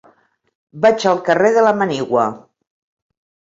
Vaig al carrer de la Manigua.